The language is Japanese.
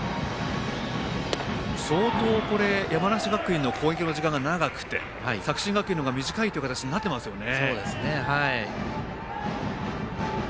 相当、山梨学院の攻撃の時間が長くて作新学院の方が短いという形になってますよね。